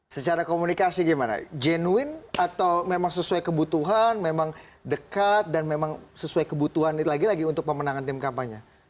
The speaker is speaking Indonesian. secara komunikasi gimana genuin atau memang sesuai kebutuhan memang dekat dan memang sesuai kebutuhan lagi lagi untuk pemenangan tim kampanye